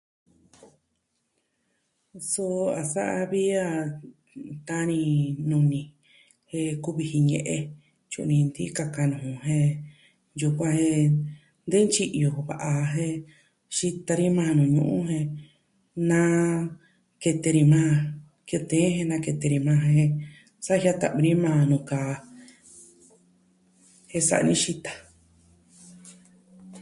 Suu a sa'a vi a tani nuni jen kuvi jin ñe'e. Tyu'un ni ntiin kaka nuu ju jen yukuan e de ntyi'yo u va jen xita ni maa nuu jen na...kete ni maa, kete jen nakete ni maa sajiaa ta'vi ni maa nuu kaa jen sa'a ni xita.